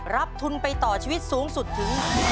รับทุนไปต่อชีวิตสูงสุดถึง๑๐๐๐บาท